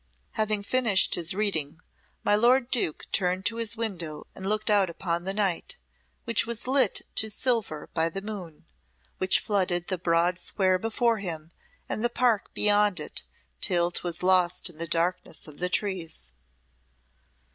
Having finished his reading, my lord Duke turned to his window and looked out upon the night, which was lit to silver by the moon, which flooded the broad square before him and the park beyond it till 'twas lost in the darkness of the trees.